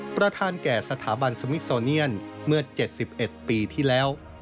ประธานแก่สถาบันสมิทโซเนียนเมื่อ๗๑ปีที่แล้ว